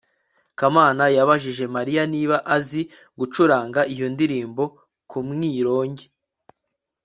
kamana yabajije mariya niba azi gucuranga iyo ndirimbo ku mwironge